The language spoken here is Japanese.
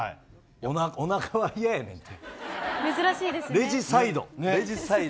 おなかは、嫌やねんって。